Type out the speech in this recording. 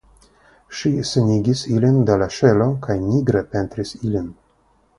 Ŝi senigis ilin de la ŝelo kaj nigre pentris ilin.